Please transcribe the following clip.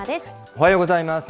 おはようございます。